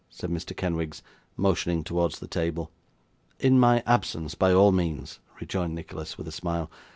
said Mr. Kenwigs motioning towards the table. ' In my absence, by all means,' rejoined Nicholas, with a smile.